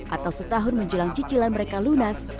atau setahun menjelang cicilan mereka lunas